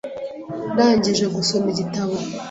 Ndangije gusoma igitabo .